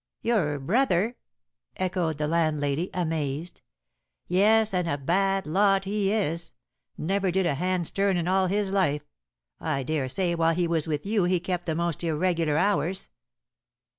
"Your brother!" echoed the landlady, amazed. "Yes, and a bad lot he is. Never did a hand's turn in all his life. I daresay while he was with you he kept the most irregular hours?"